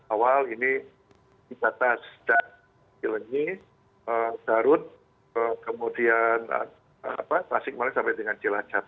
awal ini di zatas dan jelenyi darut kemudian tasik mali sampai dengan jelajat